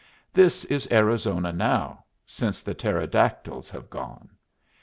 This is Arizona now since the pterodactyls have gone.